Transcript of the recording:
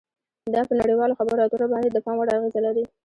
دا په نړیوالو خبرو اترو باندې د پام وړ اغیزه لري